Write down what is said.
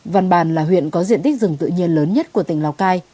văn bàn là huyện có diện tích rừng tự nhiên lớn nhất của tỉnh lào cai